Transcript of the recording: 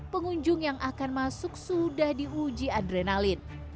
pengunjung yang akan masuk sudah diuji adrenalin